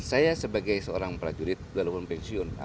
saya sebagai seorang prajurit walaupun pensiun